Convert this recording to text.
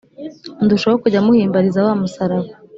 Ndu- shaho kujya muhimbariza Wa musaraba.